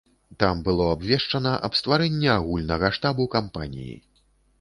Там было абвешчана аб стварэнні агульнага штабу кампаніі.